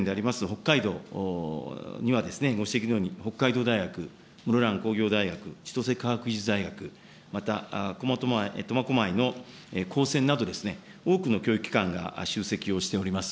北海道には、ご指摘のように、室蘭工業大学、千歳科学大学、また苫小牧の高専など、多くの教育機関が集積をしております。